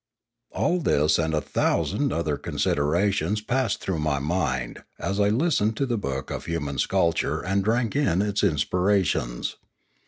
All this and a thousand other considerations passed through my mind, as I listened to the book of Hu man Sculpture and drank in its inspirations.